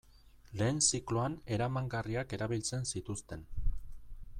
Lehen zikloan eramangarriak erabiltzen zituzten.